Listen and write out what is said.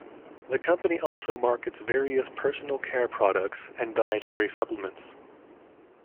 The company also markets various personal care products and dietary supplements.